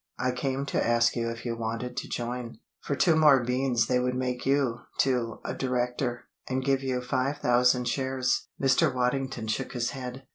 "I came to ask you if you wanted to join? For two more beans they would make you, too, a director, and give you five thousand shares." Mr. Waddington shook his head.